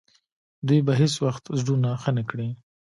دوی به هیڅ وخت زړونه ښه نه کړي.